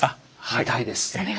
見たいです。